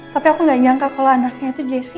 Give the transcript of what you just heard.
tapi aku nggak nyangka kalau anaknya itu jessi